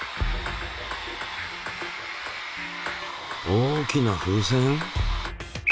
大きな風船？